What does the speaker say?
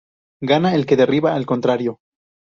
Gana el que derriba al contrario.